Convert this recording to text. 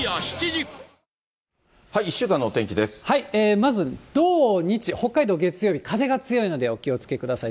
まず土、日、北海道、月曜日、風が強いのでお気をつけください。